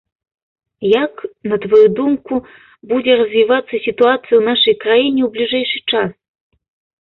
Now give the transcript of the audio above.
Як, на тваю думку, будзе развівацца сітуацыя ў нашай краіне ў бліжэйшы час?